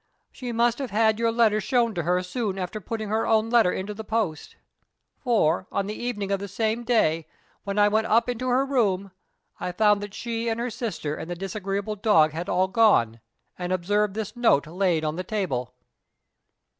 "She must have had your letters shown to her soon after putting her own letter into the post. For, on the evening of the same day, when I went up into her room, I found that she and her sister and the disagreeable dog had all gone, and observed this note laid on the table."